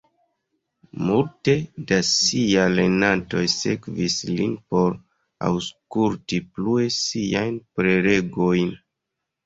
Multe da siaj lernantoj sekvis lin por aŭskulti plue siajn prelegojn.